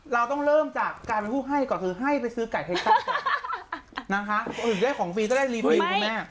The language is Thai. เราต้องเริ่มจากการเป็นผู้ให้ก่อนคือให้ไปซื้อไก่เท็จนะคะคนอื่นได้ของฟรีก็ได้รีฟรีคุณแม่